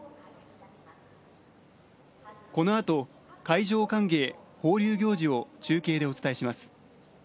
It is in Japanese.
このあと海上歓迎・放流行事を中継でお伝えします。